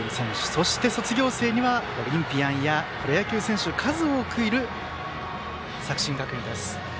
そして卒業生にはオリンピアンやプロ野球選手が数多くいる作新学院です。